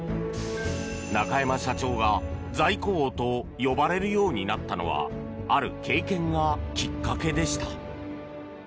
中山社長が、在庫王と呼ばれるようになったのはある経験がきっかけでした。